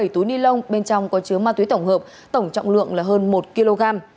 bảy túi ni lông bên trong có chứa ma túy tổng hợp tổng trọng lượng là hơn một kg